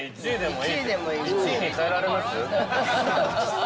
◆１位に変えられます？